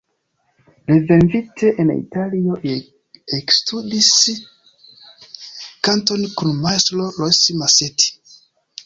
Reveninte en Italion li ekstudis kanton kun Majstro Rossi-Masetti.